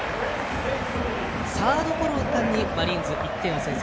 サードゴロの間にマリーンズ、１点を先制。